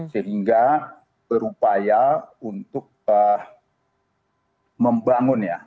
sehingga berupaya untuk membangunnya